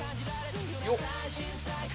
よっ。